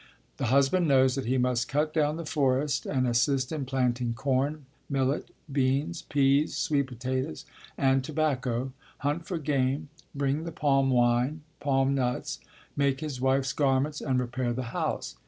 The husband knows that he must cut down the forest and assist in planting corn, millet, beans, pease, sweet potatoes and tobacco, hunt for game, bring the palm wine, palm nuts, make his wife's garments and repair the house.